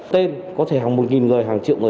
tên có thể hàng một người hàng triệu người